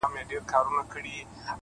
نور درته نه وايم نفس راپسې وبه ژاړې!